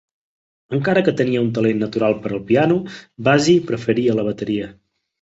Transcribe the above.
Encara que tenia un talent natural per al piano, Basie preferia la bateria.